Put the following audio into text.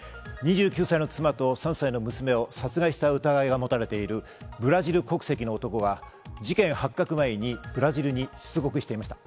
２９歳の妻と３歳の娘を殺害した疑いが持たれているブラジル国籍の男が事件発覚前にブラジルに出国していました。